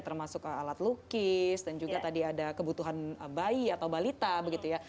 termasuk alat lukis dan juga tadi ada kebutuhan bayi atau balita begitu ya